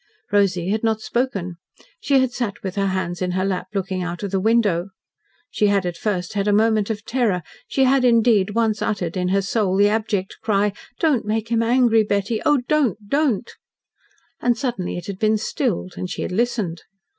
Rosy had not spoken. She had sat with her hands in her lap, looking out of the window. She had at first had a moment of terror. She had, indeed, once uttered in her soul the abject cry: "Don't make him angry, Betty oh, don't, don't!" And suddenly it had been stilled, and she had listened.